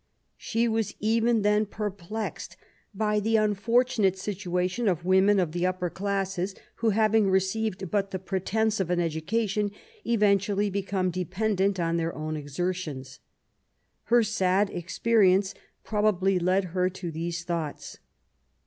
She was even then perplexed by the unfortunate situation of women of the upper classes who, having received but the pretence of an education, eventually become dependent on their own exertions. Her sad experience probably led her to these thoughts.